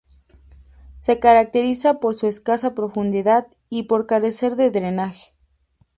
Se caracteriza por su escasa profundidad, y por carecer de drenaje.